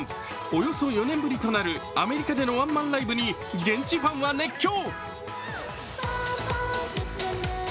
およそ４年ぶりとなるアメリカでのワンマンライブに現地ファンは熱狂。